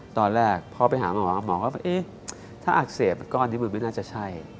ตอนแรกพอไปหาหมอหมอก็เอ๊ะถ้าอักเสบก้อนนี้มันไม่น่าจะใช่